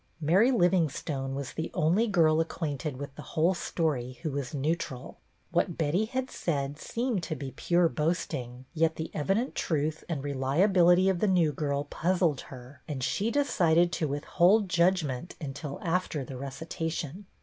Mary Livingstone was the only girl ac quainted with the whole story who was neu tral. What Bett}^ had said seemed to be pure boasting, yet the evident truth and reliability of the new girl puzzled her, and she decided to withhold judgment until after the recitation.